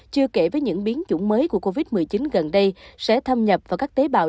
chưa kể với những biến chủng mới của covid một mươi chín gần đây sẽ thâm nhập vào các tế bào